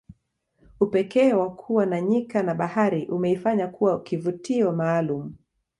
upekee wa kuwa na nyika na bahari umeifanya kuwa kivutio maalum